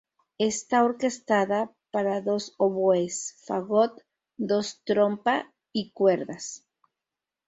Está orquestada para dos oboes, fagot, dos trompa y cuerdas.